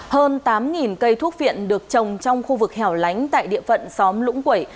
hơn tám cây thuốc viện được trồng trong khu vực hẻo lánh tại địa phận xóm lũng quẩy